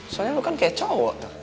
soalnya lo kan kayak cowok tuh